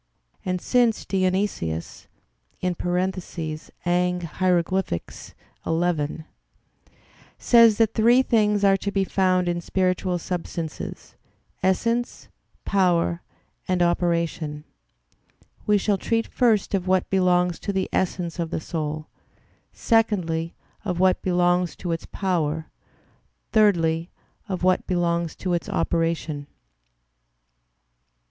And since Dionysius (Ang. Hier. xi) says that three things are to be found in spiritual substances essence, power, and operation we shall treat first of what belongs to the essence of the soul; secondly, of what belongs to its power; thirdly, of what belongs to its operation.